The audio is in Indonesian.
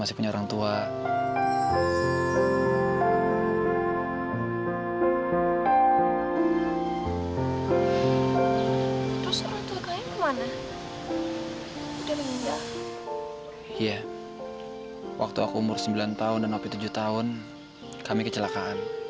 iya waktu aku umur sembilan tahun dan opi tujuh tahun kami kecelakaan